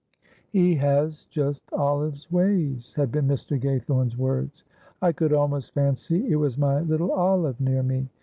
"He has just Olive's ways," had been Mr. Gaythorne's words. "I could almost fancy it was my little Olive near me.